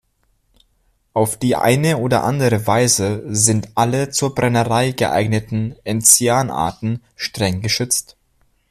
Auf die eine oder andere Weise sind alle zur Brennerei geeigneten Enzian-Arten streng geschützt.